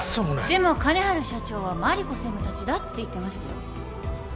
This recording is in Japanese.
でも金治社長は真梨子専務たちだって言ってましたよ。